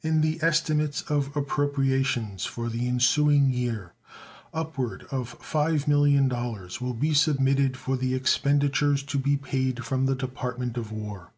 In the estimates of appropriations for the ensuing year upward of $5 millions will be submitted for the expenditures to be paid from the Department of War.